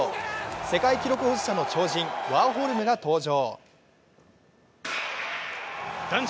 世界記録保持者の超人・ワーホルムが登場。